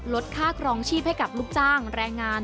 ลดค่าครองชีพให้กับลูกจ้างแรงงาน